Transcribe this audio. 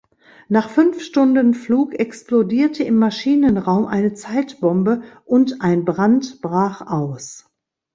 Nach fünf Stunden Flug explodierte im Maschinenraum eine Zeitbombe und ein Brand brach aus.